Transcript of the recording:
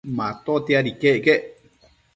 Matotiad iquec quec